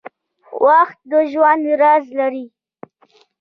• وخت د ژوند راز لري.